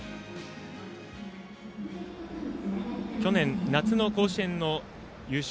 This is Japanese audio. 去年夏の甲子園の優勝。